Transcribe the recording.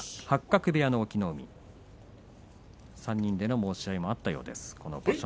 八角部屋の隠岐の海３人での申し合いもあったようです。